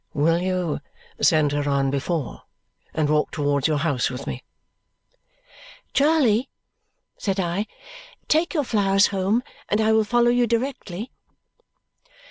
"Will you send her on before and walk towards your house with me?" "Charley," said I, "take your flowers home, and I will follow you directly."